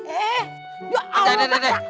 eh ya allah